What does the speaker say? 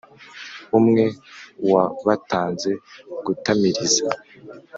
umwe wabatanze gutamiriza